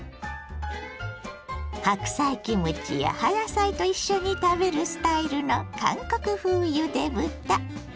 白菜キムチや葉野菜と一緒に食べるスタイルの韓国風ゆで豚。